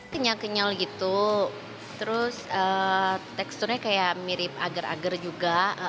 kenyal kenyal gitu terus teksturnya kayak mirip agar agar juga